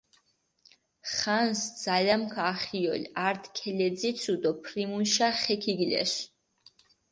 ხანს ძალამქ ახიოლ, ართი ქელეძიცუ დო ფრიმულიშა ხე ქიგლესუ.